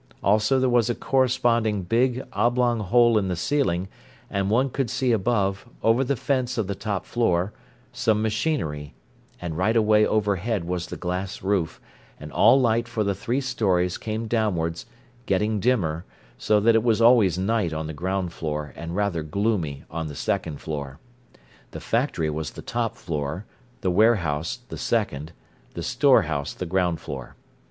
Also there was a corresponding big, oblong hole in the ceiling, and one could see above, over the fence of the top floor, some machinery; and right away overhead was the glass roof, and all light for the three storeys came downwards, getting dimmer, so that it was always night on the ground floor and rather gloomy on the second floor. The factory was the top floor, the warehouse the second, the storehouse the ground floor.